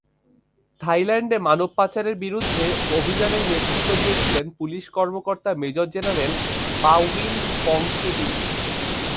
থাইল্যান্ডে মানব পাচারের বিরুদ্ধে অভিযানে নেতৃত্ব দিয়েছিলেন পুলিশ কর্মকর্তা মেজর জেনারেল পাওয়িন পংসিরিন।